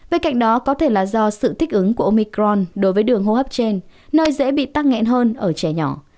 bên cạnh đó có thể là do sự thích ứng của omicron đối với đường hô hấp trên nơi dễ bị tăng nhẹn hơn ở trẻ nhỏ